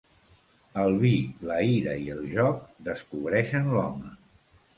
El vi, la ira i el joc descobreixen l'home.